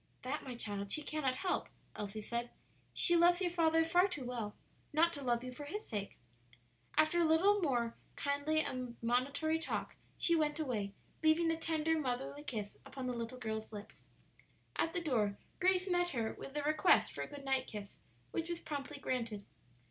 "That, my child, she cannot help," Elsie said; "she loves your father far too well not to love you for his sake." After a little more kindly admonitory talk she went away, leaving a tender, motherly kiss upon the little girl's lips. At the door Grace met her with a request for a good night kiss, which was promptly granted.